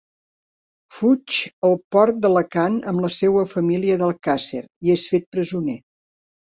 Fuig al Port d'Alacant amb la seua família d'Alcàsser i és fet presoner.